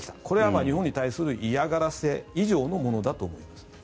これは日本に対する嫌がらせ以上のものだと思います。